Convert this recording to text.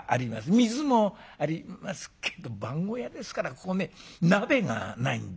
水もありますけど番小屋ですからここね鍋がないんで」。